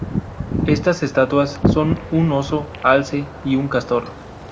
Estas estatuas son un oso, alce, y un castor.